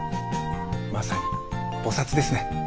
まさに菩ですね。